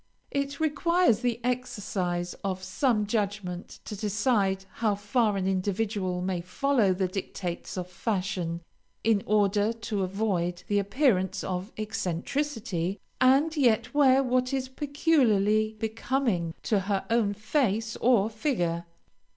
It requires the exercise of some judgment to decide how far an individual may follow the dictates of fashion, in order to avoid the appearance of eccentricity, and yet wear what is peculiarly becoming to her own face or figure.